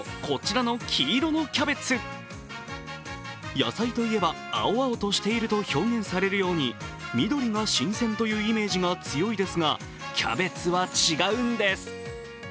野菜といえば、青々としていると表現されるように緑が新鮮というイメージが強いですが、キャベツは違うんです。